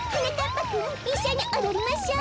ぱくんいっしょにおどりましょう！